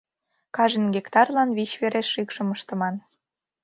Кажне гектарлан вич вере шикшым ыштыман.